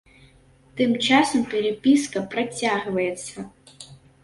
Тым часам перапіска працягваецца.